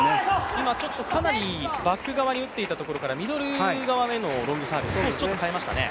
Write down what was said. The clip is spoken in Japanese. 今ちょっとかなりバック側に打っていたところからミドル側へのロングサービスに変えましたね。